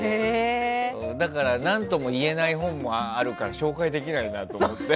だから何とも言えない本もあるから紹介できないなと思って。